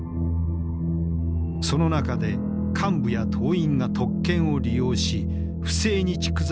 その中で幹部や党員が特権を利用し不正に蓄財する汚職が頻発していった。